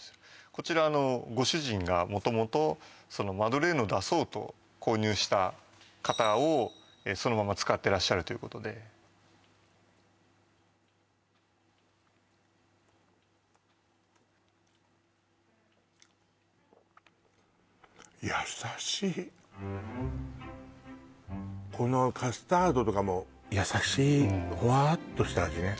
こちらご主人が元々マドレーヌを出そうと購入した型をそのまま使ってらっしゃるということでこのカスタードとかも優しいホワっとした味ね